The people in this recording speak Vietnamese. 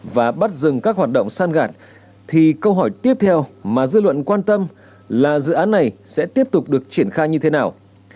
và bắt dừng các hoạt động san gạt thì câu hỏi tiếp theo mà dư luận quan tâm là dự án này sẽ tiếp tục được triển khai như thế nào